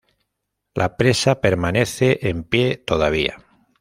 La presa permanece en pie todavía.